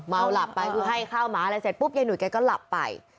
หลับไปคือให้ข้าวหมาอะไรเสร็จปุ๊บยายหุยแกก็หลับไป